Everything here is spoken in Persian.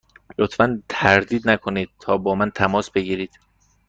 لطفا تردید نکنید تا با من تماس بگیرید.